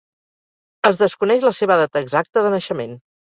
Es desconeix la seva data exacta de naixement.